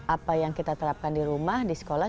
apa yang kita terapkan di rumah di sekolah